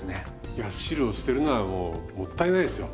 いや汁を捨てるのはもうもったいないですよ。